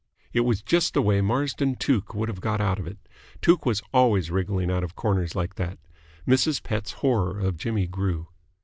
It was just the way Marsden Tuke would have got out of it. Tuke was always wriggling out of corners like that. Mrs. Pett's horror of Jimmy grew.